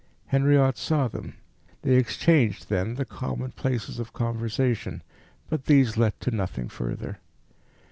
Henriot saw them. They exchanged, then, the commonplaces of conversation, but these led to nothing further.